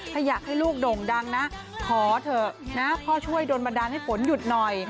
ถ้าอยากให้ลูกโด่งดังนะขอเถอะนะพ่อช่วยโดนบันดาลให้ฝนหยุดหน่อย